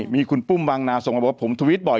มีคุณปุ้มบางนาส่งมาบอกว่าผมทวิตบ่อย